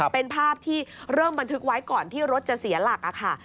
เป็นภาพที่เริ่มบันทึกไว้ก่อนที่รถจะเสียหลักค่ะ